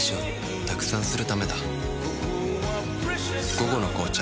「午後の紅茶」